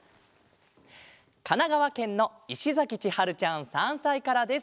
かながわけんのいしざきちはるちゃん３さいからです。